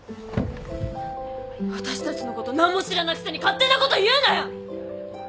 私たちのこと何も知らないくせに勝手なこと言うなよ！